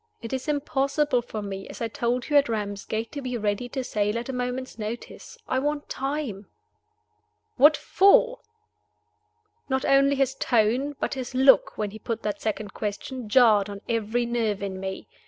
"It is impossible for me (as I told you at Ramsgate) to be ready to sail at a moment's notice. I want time." "What for?" Not only his tone, but his look, when he put that second question, jarred on every nerve in me.